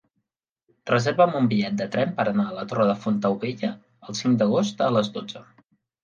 Reserva'm un bitllet de tren per anar a la Torre de Fontaubella el cinc d'agost a les dotze.